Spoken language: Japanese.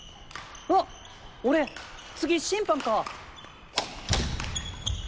あっ俺次審判か！